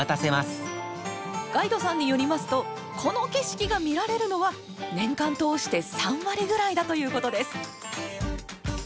ガイドさんによりますとこの景色が見られるのは年間通して３割ぐらいだということです。